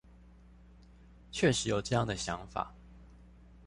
確實有這樣的想法